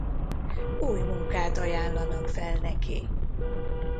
Új munkát ajánlanak fel neki.